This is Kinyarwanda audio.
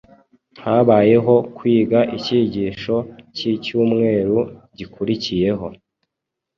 habeho kwiga icyigisho cy’icyumweru gikurikiyeho